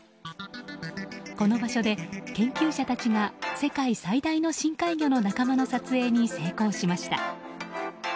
この場所で研究者たちが世界最大の深海魚の仲間の撮影に成功しました。